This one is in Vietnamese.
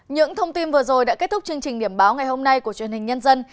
những thông tin vừa rồi đã kết thúc chương trình điểm báo ngày hôm nay của truyền hình nhân dân